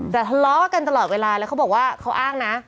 แต่ทะเลาะกันตลอดเวลาแล้วเขาบอกว่าเขาอ้างนะ